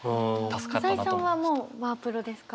朝井さんはもうワープロですか？